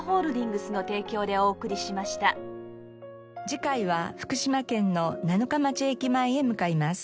次回は福島県の七日町駅前へ向かいます。